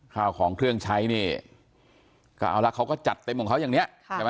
ข้าวของเครื่องใช้นี่ก็เอาละเขาก็จัดเต็มของเขาอย่างนี้ใช่ไหม